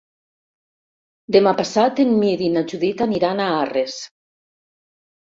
Demà passat en Mirt i na Judit aniran a Arres.